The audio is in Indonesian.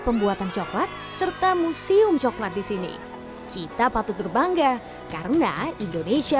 pembuatan coklat serta museum coklat di sini kita patut berbangga karena indonesia